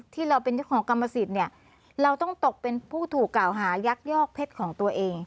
ที่เราเป็นเจ้าของกรรมสิทธิ์เนี่ยเราต้องตกเป็นผู้ถูกกล่าวหายักยอกเพชรของตัวเอง